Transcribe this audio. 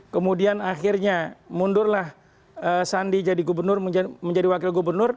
kemudian akhirnya mundurlah sandi menjadi wakil gubernur